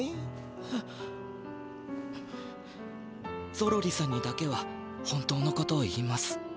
ゾロリさんにだけは本当のことを言います。